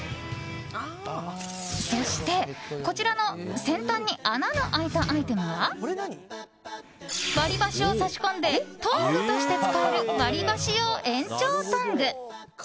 そして、こちらの先端に穴が開いたアイテムは割り箸を差し込んでトングとして使える割り箸用延長トング。